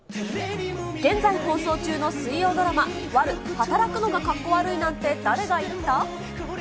現在放送中の水曜ドラマ、悪女働くのがカッコ悪いなんて誰が言った？